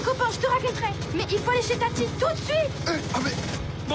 はい！